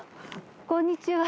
こんにちは。